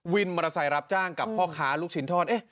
วินมอเตอร์ไซค์รับจ้างกับพ่อค้าลูกชิ้นทอด